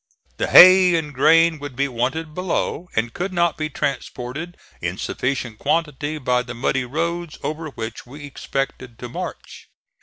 The hay and grain would be wanted below, and could not be transported in sufficient quantity by the muddy roads over which we expected to march.